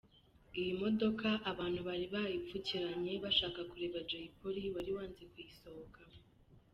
Iyi modoka abantu bari bayipfukiranye bashaka kureba Jay Polly wari wanze kuyisohokamo.